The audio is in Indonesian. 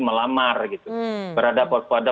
melamar gitu berada pada